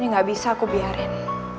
ini gak bisa aku biarin